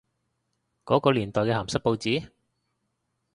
嗰個年代嘅鹹濕報紙？